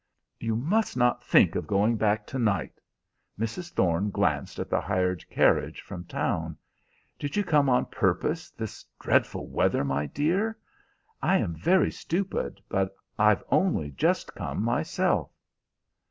"You must not think of going back to night." Mrs. Thorne glanced at the hired carriage from town. "Did you come on purpose, this dreadful weather, my dear? I am very stupid, but I've only just come myself."